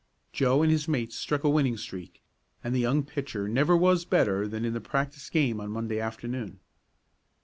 Joe and his mates struck a winning streak, and the young pitcher never was better than in that practice game on Monday afternoon.